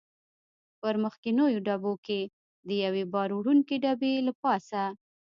په مخکنیو ډبو کې د یوې بار وړونکې ډبې له پاسه.